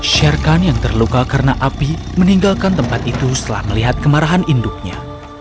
sherkan yang terluka karena api meninggalkan tempat itu setelah melihat kemarahan induknya